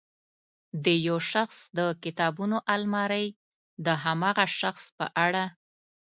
د یو شخص د کتابونو المارۍ د هماغه شخص په اړه.